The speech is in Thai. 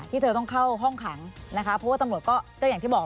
เธอต้องเข้าห้องขังนะคะเพราะว่าตำรวจก็อย่างที่บอก